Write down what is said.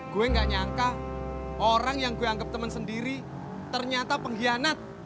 gue gak nyangka orang yang gue anggap teman sendiri ternyata pengkhianat